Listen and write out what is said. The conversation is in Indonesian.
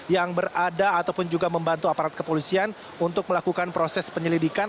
yang berada ataupun juga membantu aparat kepolisian untuk melakukan proses penyelidikan